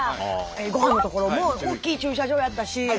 ごはんの所も大きい駐車場やったし。